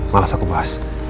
malas aku bahas